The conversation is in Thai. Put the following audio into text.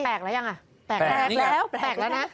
แปลกแล้วแปลกแล้วนะ